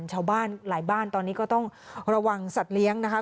ชาวบ้านหลายบ้านตอนนี้ก็ต้องระวังสัตว์เลี้ยงนะคะ